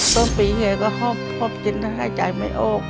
ต้นปีเกิดว่าครอบชินให้จ่ายไม่โอ้ก